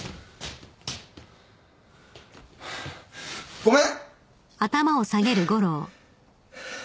・ごめん！